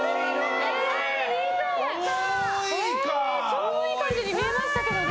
ちょうどいい感じに見えましたけどね。